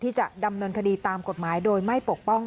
ที่จะดำเนินคดีตามกฎหมายโดยไม่ปกป้อง